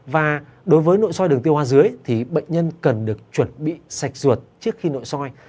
và đối với nội soi đường tiêu hóa dưới thì bệnh nhân cần được chuẩn bị sạch ruột trước khi nội soi